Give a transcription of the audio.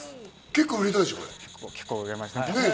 結構売れました。